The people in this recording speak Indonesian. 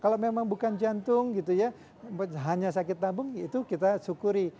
kalau memang bukan jantung gitu ya hanya sakit tambung itu kita syukuri